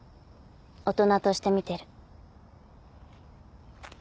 大人として見てる。